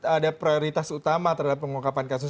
ada prioritas utama terhadap pengungkapan kasus